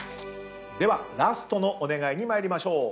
ではラストのお願いに参りましょう。